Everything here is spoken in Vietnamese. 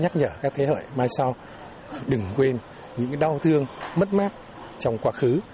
nhắc nhở các thế hệ mai sau đừng quên những đau thương mất mát trong quá khứ